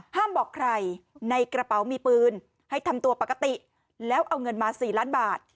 บอกใครในกระเป๋ามีปืนให้ทำตัวปกติแล้วเอาเงินมา๔ล้านบาท